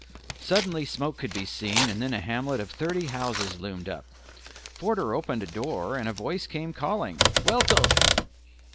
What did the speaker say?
Suddenly smoke could be seen, and then a hamlet of thirty houses loomed up. Forder opened a door and a voice came calling, "Welcome!"